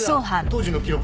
当時の記録。